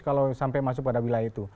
kalau sampai masuk pada wilayah itu